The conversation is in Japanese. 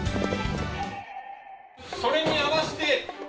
それに合わせて。